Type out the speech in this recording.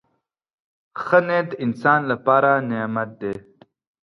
• ښه نیت د انسان لپاره نعمت دی.